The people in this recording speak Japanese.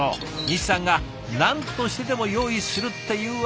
西さんが何としてでも用意するって言うわけだ。